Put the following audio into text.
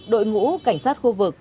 đội ngũ cảnh sát khu vực